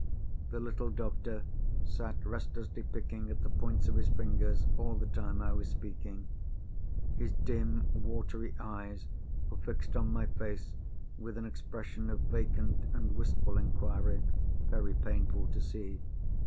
The little doctor sat restlessly picking at the points of his fingers all the time I was speaking. His dim watery eyes were fixed on my face with an expression of vacant and wistful inquiry very painful to see.